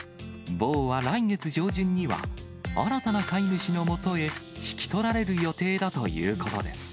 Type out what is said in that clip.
房は来月上旬には、新たな飼い主のもとへ引き取られる予定だということです。